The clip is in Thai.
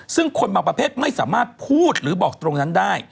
ซึ่งคนบางประเภทไม่สามารถพูดหรือบอกตรงนั้นได้